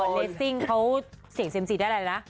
เลสซิ่งเขาเสี่ยงเซ็มซีได้อะไรนะ